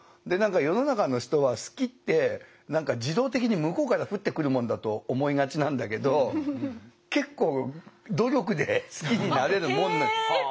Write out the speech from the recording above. で何か世の中の人は好きって自動的に向こうから降ってくるもんだと思いがちなんだけど結構努力で好きになれるもんなん。